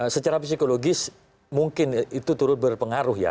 secara psikologis mungkin itu turut berpengaruh ya